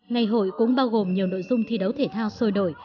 ngày hội cũng bao gồm nhiều nội dung thi đấu thể thao sôi đổi